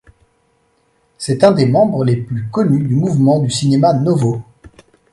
C'est un des membres les plus connus du mouvement du Cinema Novo.